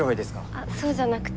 あっそうじゃなくて。